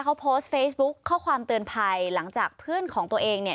เขาโพสต์เฟซบุ๊คข้อความเตือนภัยหลังจากเพื่อนของตัวเองเนี่ย